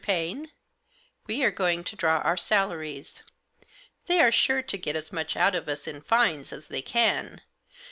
Paine, we are going to draw our salaries. They are sure to get as much out of us in fines as they can.